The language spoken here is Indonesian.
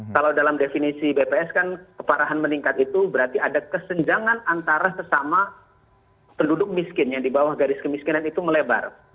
kalau dalam definisi bps kan keparahan meningkat itu berarti ada kesenjangan antara sesama penduduk miskin yang di bawah garis kemiskinan itu melebar